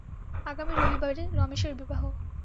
আগামী রবিবারে রমেশের বিবাহ!